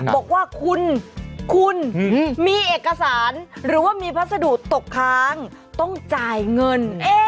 บอกว่าคุณคุณมีเอกสารหรือว่ามีพัสดุตกค้างต้องจ่ายเงิน